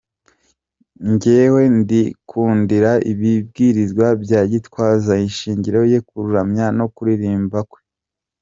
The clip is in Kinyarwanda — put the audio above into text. njyewe nikundira ibibwiriza bya Gitwaza, inshurango ye, kuramya no kuririmba kwe.